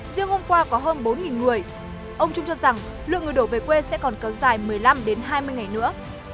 riêng hôm qua có hơn bốn người ông trung cho rằng lượng người đổ về quê sẽ còn kéo dài một mươi năm hai mươi ngày nữa